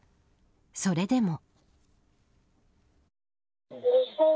それでも。